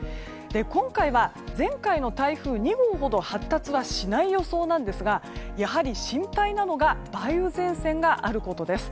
今回は、前回の台風２号ほど発達はしない予想ですがやはり心配なのが梅雨前線があることです。